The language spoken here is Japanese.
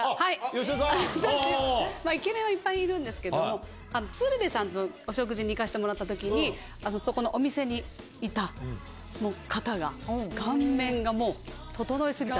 私、イケメンはいっぱいいるんですけど、鶴瓶さんとお食事行かせてもらったときに、そこのお店にいた方が、顔面が？